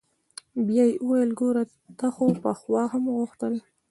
بيا يې وويل ګوره تا خو پخوا هم غوښتل.